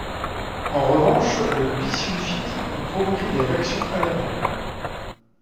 En revanche le bisulfite peut provoquer des réactions allergènes.